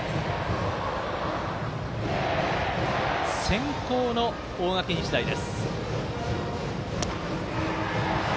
先攻の大垣日大です。